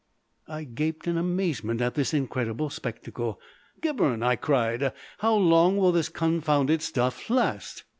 I gaped in amazement at this incredible spectacle. "Gibberne," I cried, "how long will this confounded stuff last?"